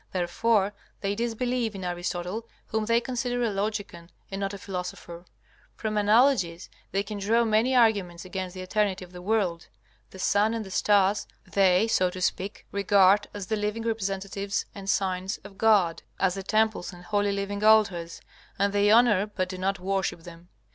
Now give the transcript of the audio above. Therefore they disbelieve in Aristotle, whom they consider a logican and not a philosopher. From analogies, they can draw many arguments against the eternity of the world. The sun and the stars they, so to speak, regard as the living representatives and signs of God, as the temples and holy living altars, and they honor but do not worship them.